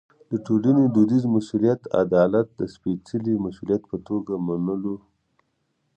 د ټولنې دودیز مسوولیت عدالت د سپېڅلي مسوولیت په توګه منلو.